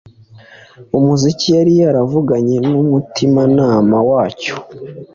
Umukiza yari yavuganye n'umutimanama wacyo.